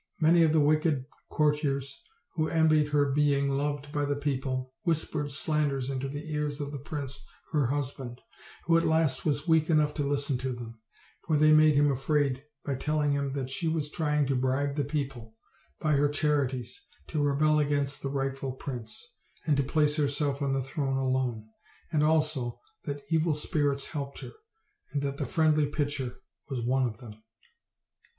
Many of the wicked courtiers, who envied her being loved by the people, whispered slanders into the ears of the prince her husband, who at last was weak enough to listen to them; for they made him afraid by telling him that she was trying to bribe the people, by her charities, to rebel against the rightful prince, and to 26 OLD, OLD FAIRY TALES. place herself on the throne alone; and also that evil spirits helped her; and that the friendly pitcher was one of them.